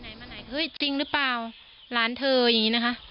เฮ้ยจริงหรือเปล่าหลานเธออย่างนี้นะคะ